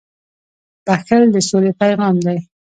• بښل د سولې پیغام دی.